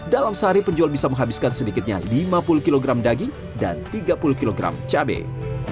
dalam sehari penjual bisa menghabiskan sedikitnya lima puluh kg daging dan tiga puluh kg cabai